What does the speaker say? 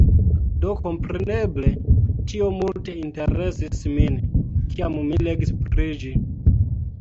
Do kompreneble, tio multe interesis min, kiam mi legis pri ĝi.